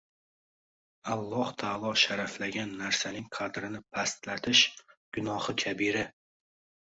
Alloh taolo sharaflagan narsaning qadrini pastlatish – gunohi kabira.